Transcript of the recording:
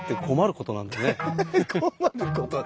「困ること」！